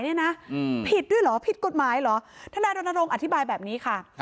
เนี่ยนะผิดด้วยเหรอผิดกฎหมายเหรอทนายรณรงค์อธิบายแบบนี้ค่ะ